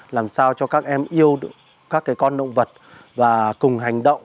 làm sao cho các em yêu các con động vật và cùng hành động